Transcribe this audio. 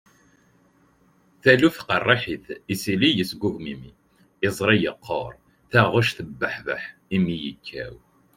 taluft qerriḥet, isalli yesgugum imi, iẓri yeqquṛ, taɣect tebbuḥbeḥ, imi yekkaw